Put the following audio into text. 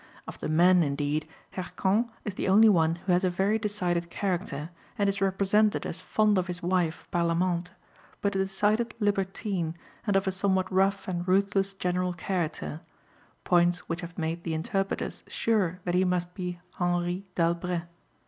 Of the men, indeed, Hircan is the only one who has a very decided character, and is represented as fond of his wife, Parlamente, but a decided libertine and of a somewhat rough and ruthless general character points which have made the interpreters sure that he must be Henry d'Albret.